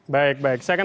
baik baik saya akan